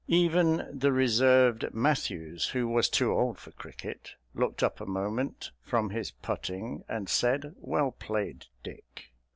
Even the reserved Matthews, who was too old for cricket, looked up a moment from his putting and said, "Well played, Dick!"